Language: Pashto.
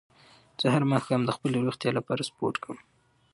زه هر ماښام د خپلې روغتیا لپاره سپورت کووم